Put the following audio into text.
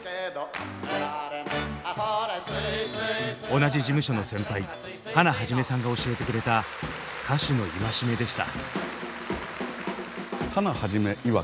同じ事務所の先輩ハナ肇さんが教えてくれた歌手の戒めでした。